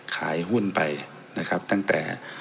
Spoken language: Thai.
ขายหุ้นไปนะครับตั้งแต่